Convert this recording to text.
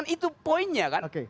itu poinnya kan